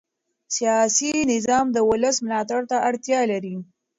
سیاسي نظام د ولس ملاتړ ته اړتیا لري